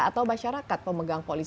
atau masyarakat pemegang polis